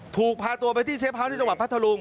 ถูกพาตัวไปที่เฟฟ้าที่จังหวัดพัทธรุง